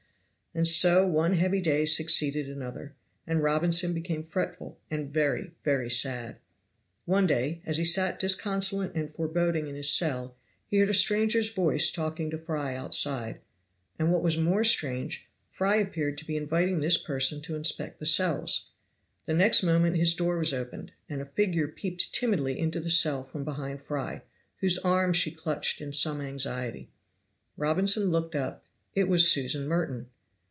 And so one heavy day succeeded another, and Robinson became fretful, and very, very sad. One day, as he sat disconsolate and foreboding in his cell, he heard a stranger's voice talking to Fry outside. And what was more strange, Fry appeared to be inviting this person to inspect the cells. The next moment his door was opened, and a figure peeped timidly into the cell from behind Fry, whose arm she clutched in some anxiety. Robinson looked up it was Susan Merton.